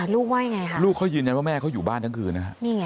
ลูกว่าอย่างไรครับลูกเขายืนว่าแม่เขาอยู่บ้านทั้งคืน